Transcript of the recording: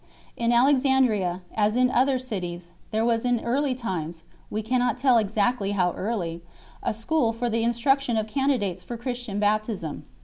In Alexandria, as in other cities, there was in early times we cannot tell exactly how early a school for the instruction of candidates for Christian baptism.